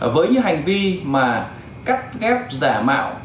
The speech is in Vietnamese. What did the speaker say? với những hành vi mà cắt ghép giả mạo